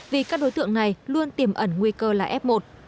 vì các đối tượng này luôn tiềm ẩn nguy cơ là f một